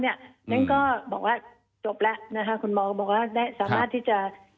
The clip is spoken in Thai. เนี่ยก็บอกว่าจบแล้วคุณหมอว่าได้สามารถที่จะ